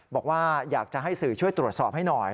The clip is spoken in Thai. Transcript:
บอกว่าอยากจะให้สื่อช่วยตรวจสอบให้หน่อย